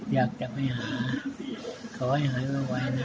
อยากจะไปหาขอให้หายไวนะ